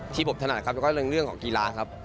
ที่ผมถนัดก็คือเรื่องของกีฬาครับ